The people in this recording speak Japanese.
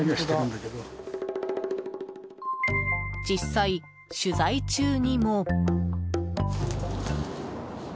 実際、取材中にも。